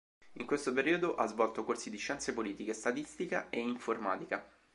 In questo periodo ha svolto corsi di scienze politiche, statistica e informatica.